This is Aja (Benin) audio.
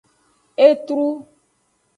Etru.